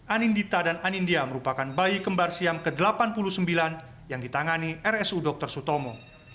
anindita dan anindya merupakan bayi kembar siam ke delapan puluh sembilan yang ditangani rsu dr sutomo